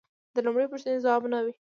د لومړۍ پوښتنې ځواب نه و